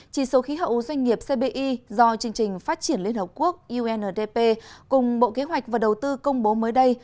chỉ số khí hậu doanh nghiệp cbi do chương trình phát triển liên hợp quốc undp cùng bộ kế hoạch và đầu tư công bố mới đây